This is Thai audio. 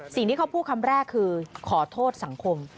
สิ่งที่เขาพูดคำแรกคือขอโทษสังคม